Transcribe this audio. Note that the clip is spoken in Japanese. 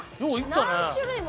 何種類も。